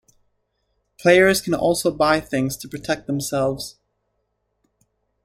Players can also buy things to protect themselves.